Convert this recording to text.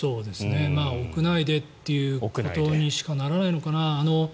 屋内でということにしかならないのかな。